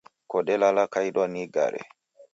Kodelala kaidwa ni igare